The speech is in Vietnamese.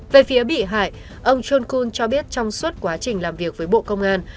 về phía bị hại ông john kun cho biết trong suốt quá trình làm việc với bộ công an